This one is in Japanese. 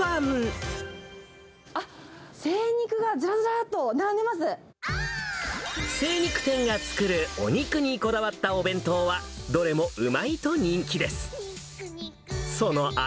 あっ、精肉店が作るお肉にこだわったお弁当は、どれもうまいと人気です。